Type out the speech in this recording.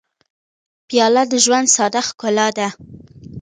پیاله د ژوند ساده ښکلا ده.